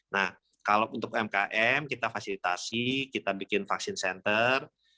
nah kalau untuk umkm kita fasilitasi kita bikin vaksin center